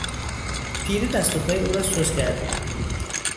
پیری دست و پای او را سست کرده بود.